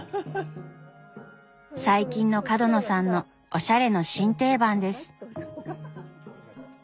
最近の角野さんのおしゃれの新定番です。